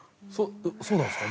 そうなんですか？